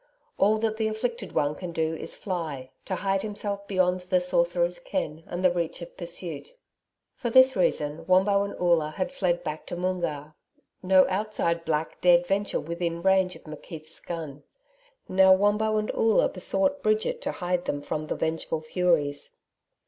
All that the afflicted one can do is to fly to hide himself beyond the sorcerer's ken and the reach of pursuit. For this reason, Wombo and Oola had fled back to Moongarr. No outside black dared venture within range of McKeith's gun. Now Wombo and Oola besought Bridget to hide them from the vengeful furies.